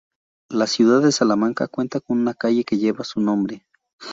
La ciudad de Salamanca cuenta con una calle que lleva su nombre.